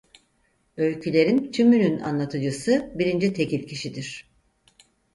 Öykülerin tümünün anlatıcısı birinci tekil kişidir.